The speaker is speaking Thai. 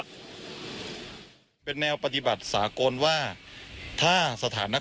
คุณทัศนาควดทองเลยค่ะ